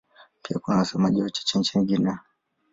Pia kuna wasemaji wachache nchini Guinea.